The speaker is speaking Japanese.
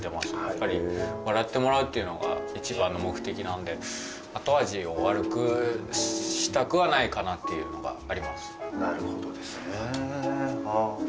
やっぱり笑ってもらうっていうのが一番の目的なんで後味を悪くしたくはないかなっていうのがありますなるほどですねはあ